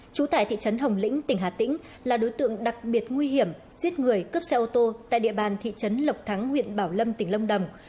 trú tại thị trấn hồng lĩnh tỉnh hà tĩnh là đối tượng đặc biệt nguy hiểm giết người cướp xe ô tô tại địa bàn thị trấn lộc thắng huyện bảo lâm tỉnh lâm đồng